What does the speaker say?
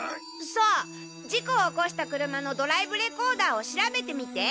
そう事故を起こした車のドライブレコーダーを調べてみて。